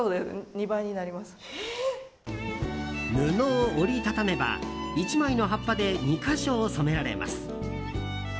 布を折り畳めば１枚の葉っぱで２か所を染められます。